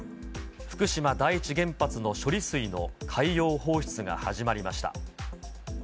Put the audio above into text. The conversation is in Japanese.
福島第一原発の処理水の海洋放出が始まりました。